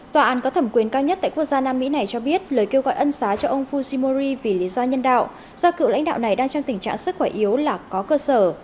tòa án có thẩm quyền cao nhất tại quốc gia nam mỹ này cho biết lời kêu gọi ân xá cho ông fusimoro vì lý do nhân đạo do cựu lãnh đạo này đang trong tình trạng sức khỏe yếu là có cơ sở